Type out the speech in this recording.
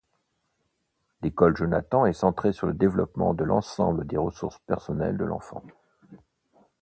L'école Jonathan est centrée sur le développement de l'ensemble des ressources personnelles de l'enfant.